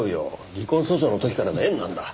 離婚訴訟の時からの縁なんだ。